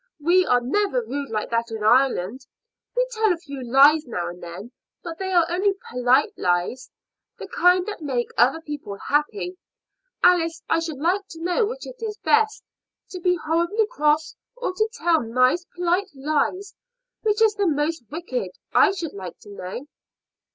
We are never rude like that in Ireland. We tell a few lies now and then, but they are only polite lies the kind that make other people happy. Alice, I should like to know which is best to be horribly cross, or to tell nice polite lies. Which is the most wicked? I should like to know."